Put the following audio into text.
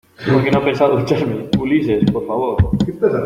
es porque no pensaba ducharme. Ulises, por favor